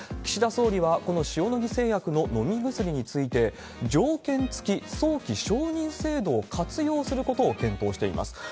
岸田総理は、この塩野義製薬の飲み薬について、条件付き早期承認制度を活用することを検討しています。